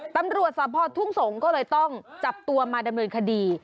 ตำรวจสภทุ่งสงศ์ก็เลยต้องจับตัวมาดำเนินคดี